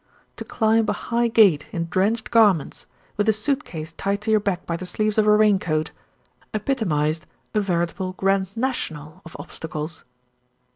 To climb a high gate in drenched garments, with a suit case tied to your back by the sleeves of a rain coat, epitomised a veritable Grand National of obstacles.